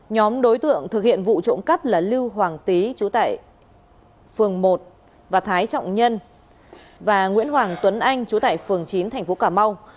nhóm đối tượng thực hiện vụ trộm cắp là lưu hoàng tý chú tại phường một và thái trọng nhân và nguyễn hoàng tuấn anh chú tại phường chín thành phố cà mau